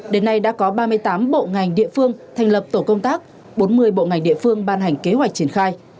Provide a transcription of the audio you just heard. đến nay đã có ba mươi tám bộ ngành địa phương thành lập tổ công tác bốn mươi bộ ngành địa phương ban hành kế hoạch triển khai